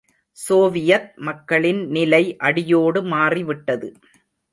Soviet மக்களின் நிலை அடியோடு மாறி விட்டது.